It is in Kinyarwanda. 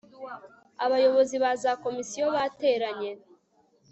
abayobozi ba za komisiyo bateranye